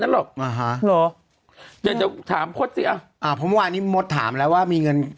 น่ะหรืออยากถามพจย์อะอ่ามวุ่นวานนี้หมดถามแล้วว่ามีเงิน